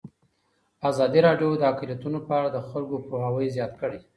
ازادي راډیو د اقلیتونه په اړه د خلکو پوهاوی زیات کړی.